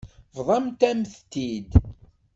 Bḍant-am-t-id.